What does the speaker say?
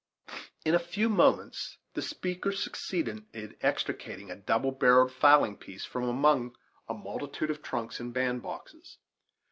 In a few moments the speaker succeeded in extricating a double barrelled fowling piece from among a multitude of trunks and bandboxes.